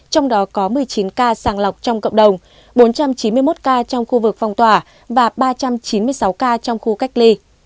trong đó có một mươi chín ca sàng lọc trong cộng đồng bốn trăm chín mươi một ca trong khu vực phong tỏa và ba trăm chín mươi sáu ca trong khu cách ly